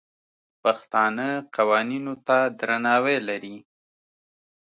پښتانه قوانینو ته درناوی لري.